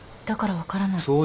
だから分からない。